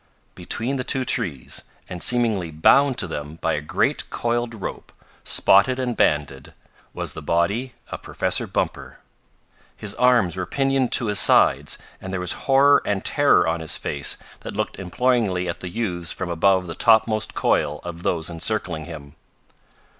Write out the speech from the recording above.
Between the two trees, and seemingly bound to them by a great coiled rope, spotted and banded, was the body of Professor Bumper. His arms were pinioned to his sides and there was horror and terror on his face, that looked imploringly at the youths from above the topmost coil of those encircling him.